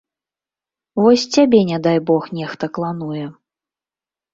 Вось цябе не дай бог нехта клануе.